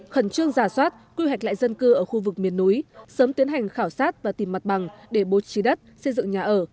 khẩn trương giả soát quy hoạch lại dân cư ở khu vực miền núi sớm tiến hành khảo sát và tìm mặt bằng để bố trí đất xây dựng nhà ở